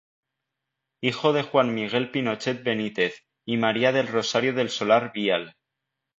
Hijo de Juan Miguel Pinochet Benítez y María del Rosario del Solar Vial.